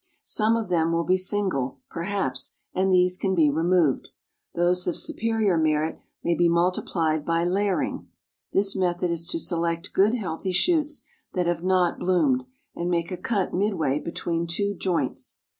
Some of them will be single, perhaps, and these can be removed. Those of superior merit may be multiplied by layering. This method is to select good healthy shoots that have not bloomed, and make a cut midway between two joints.